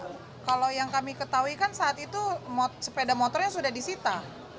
kalau yang kami ketahui kan saat itu sepeda motornya sudah disita